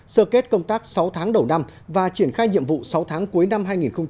sơ kết công tác sáu tháng đầu năm và triển khai nhiệm vụ sáu tháng cuối năm hai nghìn hai mươi